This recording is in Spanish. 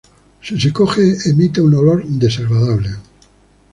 Si se coge emite un olor desagradable.